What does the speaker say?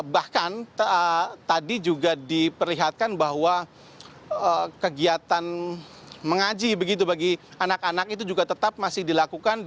bahkan tadi juga diperlihatkan bahwa kegiatan mengaji begitu bagi anak anak itu juga tetap masih dilakukan